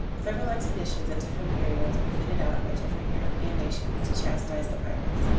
Several expeditions at different periods were fitted out by different European nations to chastise the pirates.